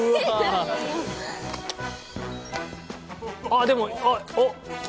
あっでもおっ！